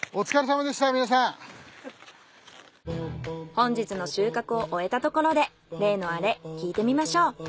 本日の収穫を終えたところで例のアレ聞いてみましょう。